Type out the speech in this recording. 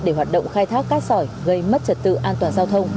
để hoạt động khai thác cát sỏi gây mất trật tự an toàn giao thông